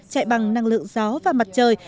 chạy bằng năng lượng gió và mặt trời